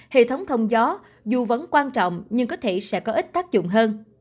hệ thống thông gió dù vẫn quan trọng nhưng có thể sẽ có ít tác dụng hơn